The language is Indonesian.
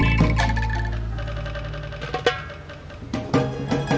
iya berbpartyin dengannya